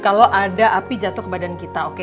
kalau ada api jatuh ke badan kita oke